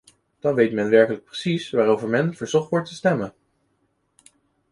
Dan weet men werkelijk precies waarover men verzocht wordt te stemmen.